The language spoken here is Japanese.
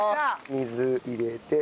水入れて。